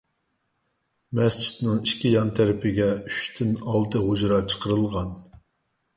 مەسچىتنىڭ ئىككى يان تەرىپىگە ئۈچتىن ئالتە ھۇجرا چىقىرىلغان.